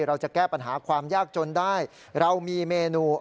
เราจะแก้ปัญหาความยากจนได้เรามีเมนู